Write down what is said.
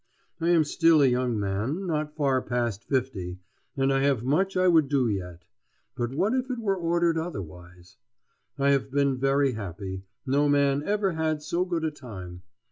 I am still a young man, not far past fifty, and I have much I would do yet. But what if it were ordered otherwise? I have been very happy. No man ever had so good a time.